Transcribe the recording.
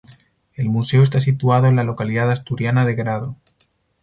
El museo está situado en la localidad asturiana de Grado.